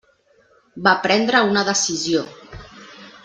Va prendre una decisió.